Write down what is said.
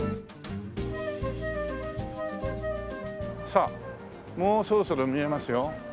さあもうそろそろ見えますよ。